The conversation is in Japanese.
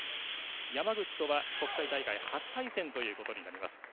山口とは国際大会初対戦となります。